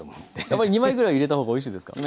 やっぱり２枚ぐらい入れた方がおいしいですか？